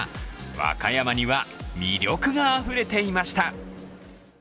和歌山には魅力があふれていました。